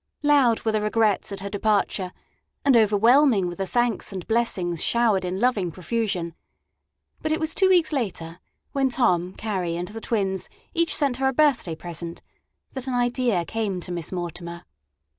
Loud were the regrets at her departure, and overwhelming were the thanks and blessings showered in loving profusion; but it was two weeks later, when Tom, Carrie, and the twins each sent her a birthday present, that an idea came to Miss Mortimer.